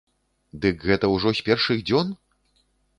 Дык гэта ўжо з першых дзён?!